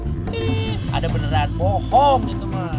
ehh ada beneran bohong itu mah